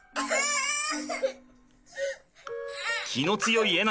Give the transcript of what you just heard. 気の強い笑